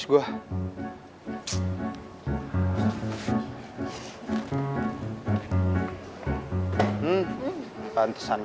udah sekarang aku makan